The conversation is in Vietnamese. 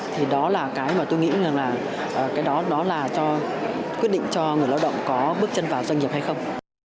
thì đó là cái mà tôi nghĩ rằng là cái đó đó là cho quyết định cho người lao động có bước chân vào doanh nghiệp hay không